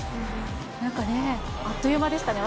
なんかね、あっという間でしたね。